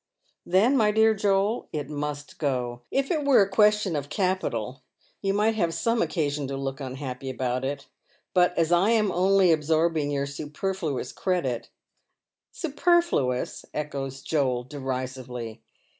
"Then, my dear Joel, it must go. If it were a question of capital you might have some occasion to look unhappy about it, but as I am only absorbing your superfluous credit "" Superfluous," echoes Joel, deiisively.